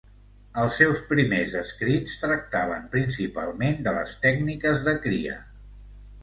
Els seus primers escrits tractaven principalment de les tècniques de cria.